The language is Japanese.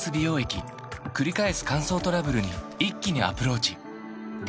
くり返す乾燥トラブルに一気にアプローチ